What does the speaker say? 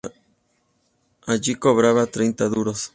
Allí cobraba treinta duros.